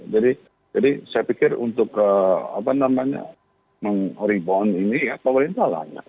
jadi saya pikir untuk meng rebound ini pemerintah lah